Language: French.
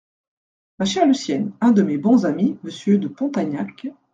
Ma chère Lucienne, un de mes bons amis, Monsieur de Pontagnac…